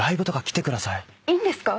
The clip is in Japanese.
いいんですか？